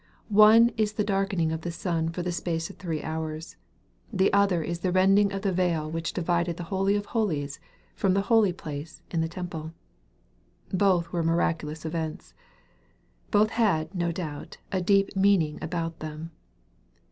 One is the darkening of the sun for the space of three hours. The other is the rending of the veil which divided the holy of holies from the holy place in the temple. Both were miraculous events. Both had, no doubt, a deep meaning about them.